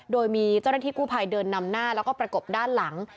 โดยมีเจ้าหน้าที่กู้ภัยเดินนำหน้าแล้วก็ประกบด้านหลัง